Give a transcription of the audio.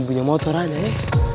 aku mau pergi ke rumah